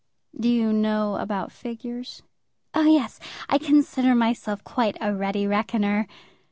"Do you know about figures?" "Oh, yes. I consider myself quite a ready reckoner."